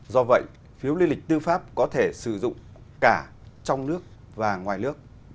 do vậy phiếu lý lịch tư pháp có thể sử dụng cả trong nước và ngoài nước